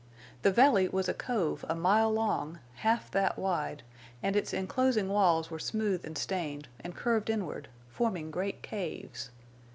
The valley was a cove a mile long, half that wide, and its enclosing walls were smooth and stained, and curved inward, forming great caves.